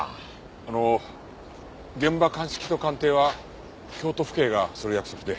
あの現場鑑識と鑑定は京都府警がする約束で。